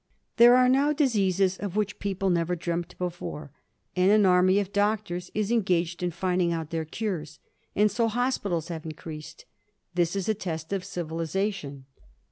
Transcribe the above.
There are now diseases of which people never dreamt before, and an army of doctors is engaged in finding out their cures, and so hospitals have increased. This is a test of civilization.